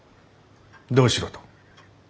どうしろと？